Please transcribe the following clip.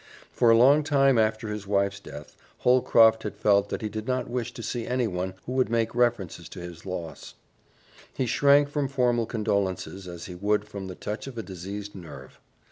For a long time after his wife's death Holcroft had felt that he did not wish to see anyone who would make references to his loss. He shrank from formal condolences as he would from the touch of a diseased nerve.